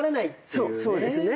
そうそうですね。